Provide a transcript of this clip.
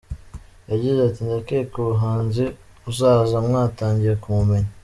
Yagize ati :"Ndakeka umuhanzi uzaza mwatangiye kumumenya.